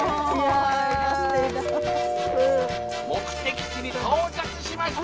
「目的地に到着しました！